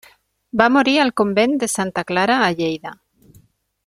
Va morir al convent de Santa Clara a Lleida.